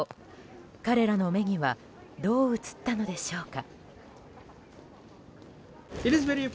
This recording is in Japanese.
彼らの目にはどう映ったのでしょうか。